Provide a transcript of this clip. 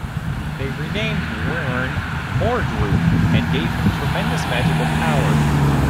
They renamed Wrynn, "Mordru" and gave him tremendous magical power.